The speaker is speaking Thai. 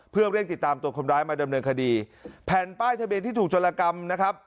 เพื่อเร่งติดตามตัวคนร้ายมาดำเนินคดีแผ่นป้ายทะเบียนที่ถูกชนละกรรมนะครับ